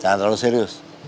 jangan terlalu serius